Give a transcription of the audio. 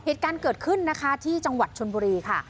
เหตุการณ์เกิดขึ้นนะคะที่จังหวัดชนบุรีค่ะ